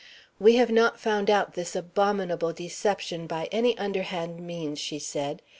"We have not found out this abominable deception by any underhand means," she said.